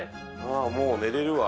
もう寝れるわ。